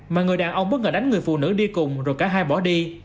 mà người đàn ông bất ngờ đánh người phụ nữ đi cùng rồi cả hai bỏ đi